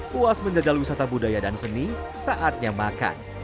puas menjajal wisata budaya dan seni saatnya makan